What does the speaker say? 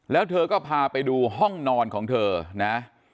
แล้วเธอก็พาไปดูห้องนอนของเธอนะ